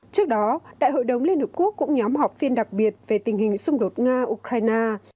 trước đó đại hội đồng liên hợp quốc cũng nhóm họp phiên đặc biệt về tình hình xung đột nga ukraine